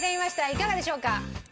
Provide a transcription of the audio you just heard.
いかがでしょうか？